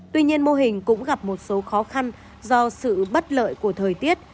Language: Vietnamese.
tuy nhiên mô hình cũng gặp một số khó khăn do sự bất lợi của thời tiết